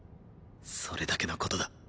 それだけの事だ。